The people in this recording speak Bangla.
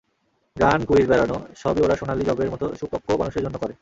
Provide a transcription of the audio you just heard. গান, কুইজ, বেড়ানো—সবই ওরা সোনালি যবের মতো সুপক্ব মানুষের জন্য করে।